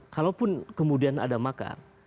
kalaupun kemudian ada makar